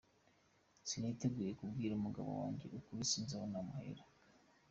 Siniteguye kubwira umugabo wanjye ukuri sinzi naho namuhera.